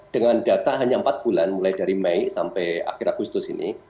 dengan data hanya empat bulan mulai dari mei sampai akhir agustus ini